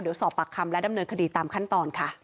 เดี๋ยวสอบปากคำและดำเนินคดีตามขั้นตอนค่ะ